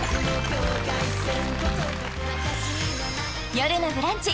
「よるのブランチ」